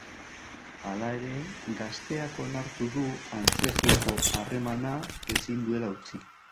Hala ere, gazteak onartu du antzerkiko harremana ezin duela utzi.